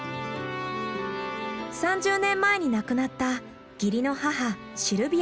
３０年前に亡くなった義理の母シルビアさん。